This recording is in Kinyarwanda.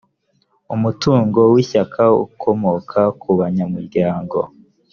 umutungo w’ishyaka ukomoka ku banyamuryango